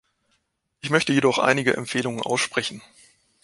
Ich möchte jedoch einige Empfehlungen aussprechen.